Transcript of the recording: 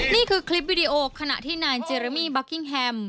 นี่คือคลิปวิดีโอขณะที่นายเจรมี่บัคกิ้งแฮม